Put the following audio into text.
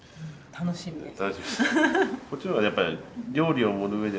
楽しみですね。